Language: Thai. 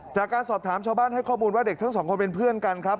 จากการสอบถามชาวบ้านให้ข้อมูลว่าเด็กทั้งสองคนเป็นเพื่อนกันครับ